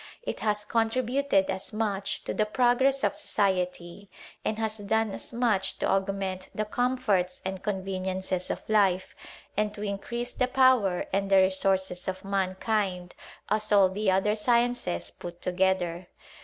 It has contributed as much to the progress of society, and has done as much to augment the com forts and conveniences of life, and to increase the power and the resources of mankind, as all the other sciences put together.